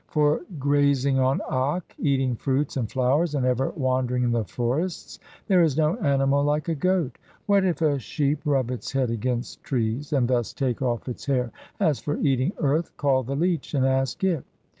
For grazing on akk, eating fruits and flowers, and ever wandering in the forests, there is no animal like a goat. What if a sheep rub its head against trees and thus take off its hair ? as for eating earth, call the leech and ask it.